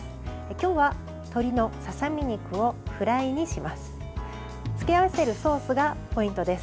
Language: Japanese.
今日は鶏のささ身肉をフライにします。